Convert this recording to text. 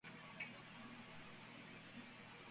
Y miembro del Pontificio Consejo para la Justicia y la Paz.